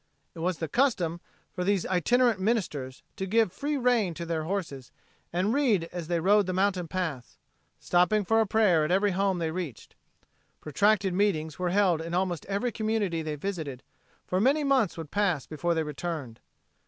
It was the custom for these itinerant ministers to give free rein to their horses and read as they rode the mountain paths, stopping for a prayer at every home they reached. Protracted meetings were held in almost every community they visited, for many months would pass before they returned.